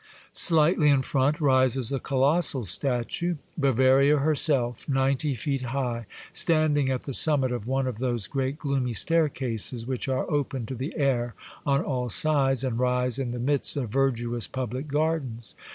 SHghtly in front rises a colossal statue, Bavaria herself, ninety feet high, standing at the summit of one of those great gloomy staircases which are open to the air on all sides, and rise in the midst of verdurous pubHc gardens.